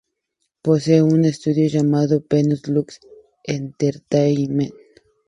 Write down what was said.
Posee un estudio llamado Venus Lux Entertainment.